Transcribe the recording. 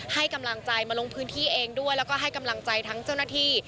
ให้กำลังใจมาลงพื้นที่เองด้วยแล้วก็ให้กำลังใจทั้งเจ้าหน้าที่